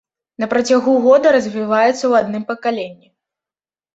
На працягу года развіваецца ў адным пакаленні.